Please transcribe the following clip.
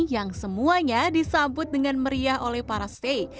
yang semuanya disambut dengan meriah oleh para stay